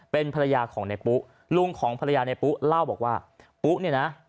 เป็นภรรยาของในปุ๊ลุงของภรรยาในปุ๊เล่าบอกว่าปุ๊เนี่ยนะ